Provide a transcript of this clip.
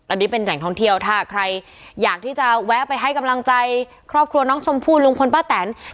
อันนี้เป็นแหล่งท่องเที่ยวถ้าใครอยากที่จะแวะไปให้กำลังใจครอบครัวน้องชมพู่ลุงพลป้าแตน